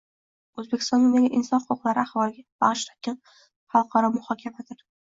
O'zbekistondagi inson huquqlari ahvoliga bag'ishlangan xalqaro muhokamadir.